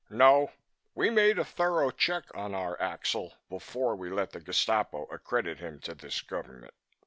No, we made a thorough check on our Axel, before we let the Gestapo accredit him to this government.